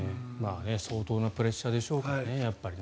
相当なプレッシャーでしょうからね。